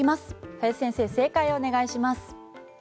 林先生、正解をお願いします。